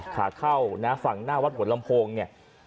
ขาเข้านะฝั่งหน้าวัดหัวลำโพงเนี่ย